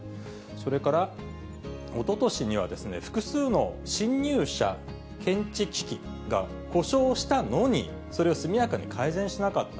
それからおととしには、複数の侵入者検知機器が故障したのに、それを速やかに改善しなかった。